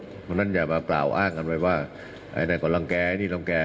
เพราะฉะนั้นอย่ามากล่าวอ้างกันไปว่าไอ้นั่นก็รังแก่ไอ้นี่รังแก่